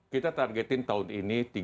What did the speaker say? kita targetin tahun ini